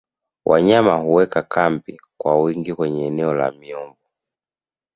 wanyama huweka kambi kwa wingi kwenye eneo la miombo